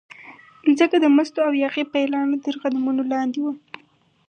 مځکه د مستو او یاغي پیلانو ترقدمونو لاندې